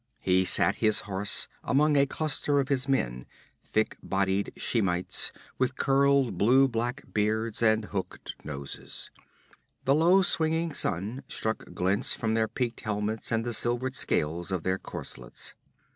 He sat his horse among a cluster of his men thick bodied Shemites with curled blue black beards and hooked noses; the low swinging sun struck glints from their peaked helmets and the silvered scales of their corselets.